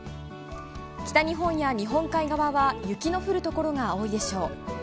北日本や日本海側は雪の降るところが多いでしょう。